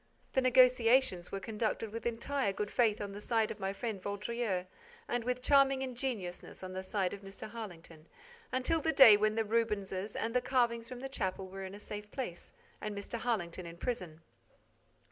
The negotiations were conducted with entire good faith on the side of my friend Vaudreix and with charming ingenuousness on the side of Mr. Harlington, until the day when the Rubenses and the carvings from the chapel were in a safe place and Mr. Harlington in prison.